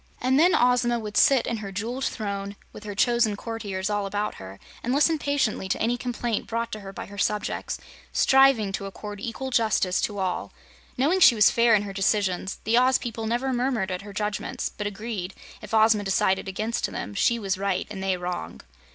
And then Ozma would sit in her jeweled throne, with her chosen courtiers all about her, and listen patiently to any complaint brought to her by her subjects, striving to accord equal justice to all. Knowing she was fair in her decisions, the Oz people never murmured at her judgments, but agreed, if Ozma decided against them, she was right and they wrong.